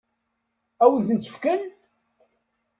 Ad wen-tent-fken?